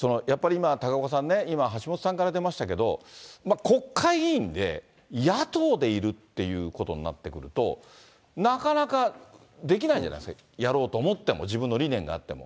今、高岡さんね、今、橋下さんから出ましたけど、国会議員で、野党でいるっていうことになってくると、なかなかできないじゃないですか、やろうと思っても、自分の理念があっても。